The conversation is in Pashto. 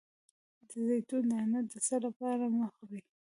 د زیتون دانه د څه لپاره مه خورم؟